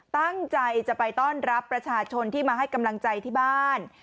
ตั้งใจจะไปต้อนรับประชาชนที่มาให้กำลังใจที่บ้าน